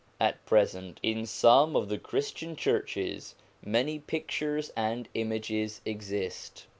At present in some of the Christian churches many pictures and images exist.